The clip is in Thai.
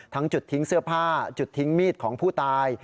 จุดทิ้งเสื้อผ้าจุดทิ้งมีดของผู้ตาย